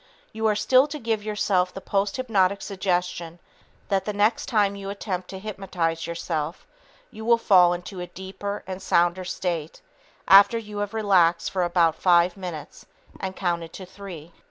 You are still to give yourself the posthypnotic suggestion that the next time you attempt to hypnotize yourself you will fall into a deeper and sounder state after you have relaxed for about five minutes and counted to three.